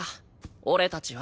俺たちは。